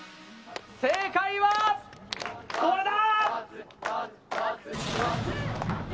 正解はこれだ！